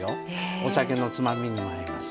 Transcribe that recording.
お酒のつまみにも合います。